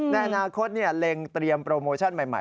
ในอนาคตเนี่ยเรียงเตรียมโปรโมชั่นใหม่